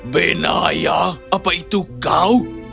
benayal apa itu kau